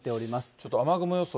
ちょっと雨雲予想